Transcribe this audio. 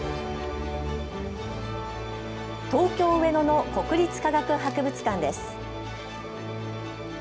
東京上野の国立科学博物館です。